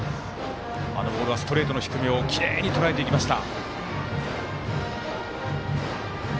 あのボールはストレートの低めをきれいにとらえていきました。